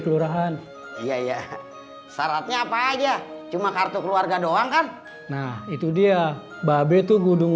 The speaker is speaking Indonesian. kelurahan iya ya syaratnya apa aja cuma kartu keluarga doang kan nah itu dia babe tuh gudung